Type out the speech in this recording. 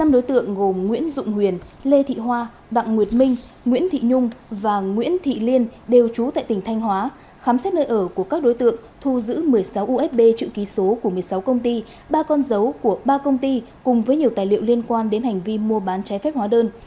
năm đối tượng gồm nguyễn dụng huyền lê thị hoa đặng nguyệt minh nguyễn thị nhung và nguyễn thị liên đều trú tại tỉnh thanh hóa khám xét nơi ở của các đối tượng thu giữ một mươi sáu usb chữ ký số của một mươi sáu công ty ba con dấu của ba công ty cùng với nhiều tài liệu liên quan đến hành vi mua bán trái phép hóa đơn